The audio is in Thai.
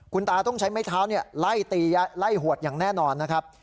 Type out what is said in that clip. คุณตาต้องใช้ไม้เท้าไล่ตีไล่หวดอย่างแน่นอนนะครับ